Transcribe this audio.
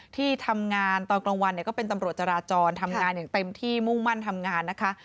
ที่ทำงานตอนกลางวันเนี่ยก็เป็นตำรวจจราจรทำงานอย่างเต็มที่มุ่งมั่นทำงานนะคะ